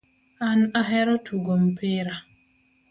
An ahero tugo mpira